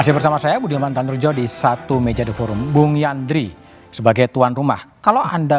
masih bersama saya budiman tandurjo di satu meja the forum bung yandri sebagai tuan rumah kalau anda